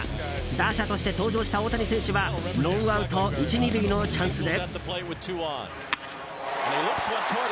打者として登場した大谷選手はノーアウト１、２塁のチャンスで。